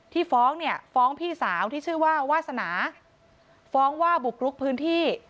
ฟ้องเนี่ยฟ้องพี่สาวที่ชื่อว่าวาสนาฟ้องว่าบุกรุกพื้นที่